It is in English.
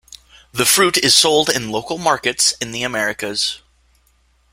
The fruit is sold in local markets in the Americas.